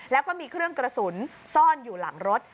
แล้วก็มีเครื่องกระสุนซ่อนอยู่หลังรถ